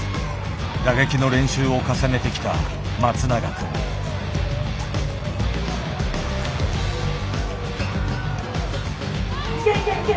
打撃の練習を重ねてきたいけいけいけ！